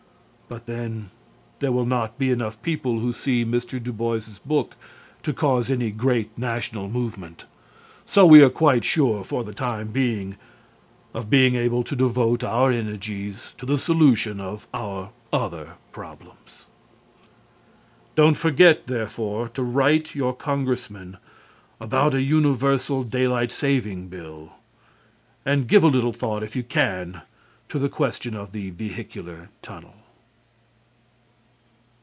But then, there will not be enough people who see Mr. Du Bois's book to cause any great national movement, so we are quite sure, for the time being, of being able to devote our energies to the solution of our other problems. Don't forget, therefore, to write your Congressman about a universal daylight saving bill, and give a little thought, if you can, to the question of the vehicular tunnel.